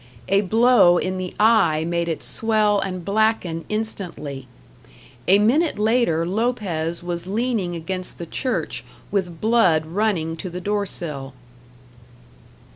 A blow in the eye made it swell and blacken instantly. A minute later Lopez was leaning against the church with blood running to the doorsill.